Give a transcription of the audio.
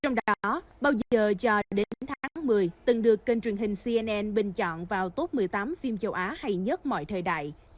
trong đó bao giờ cho đến tháng một mươi từng được kênh truyền hình cnn bình chọn vào tốt mặt của bộ phim này